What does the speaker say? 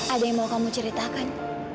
ada yang mau kamu ceritakan